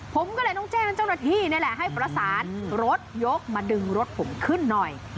ผมก็เลยต้องแจ้งเจ้าหน้าที่นี่แหละให้ประสานรถยกมาดึงรถผมขึ้นหน่อย